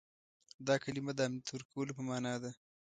دا کلمه د امنیت ورکولو په معنا ده.